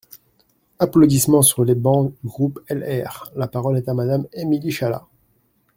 (Applaudissements sur les bancs du groupe LR.) La parole est à Madame Émilie Chalas.